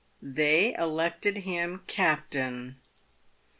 They elected him captain.